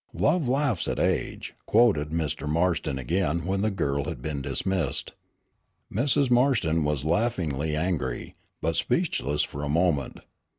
"'Love laughs at age,'" quoted Mr. Marston again when the girl had been dismissed. Mrs. Marston was laughingly angry, but speechless for a moment.